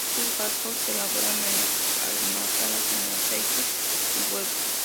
Estos gazpachos se elaboraban en las almazaras con aceite y huevo.